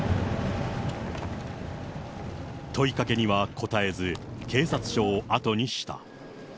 問いかけには答えず、警察署を後にした。